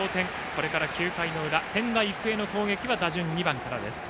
これから９回裏仙台育英の攻撃は打順２番からです。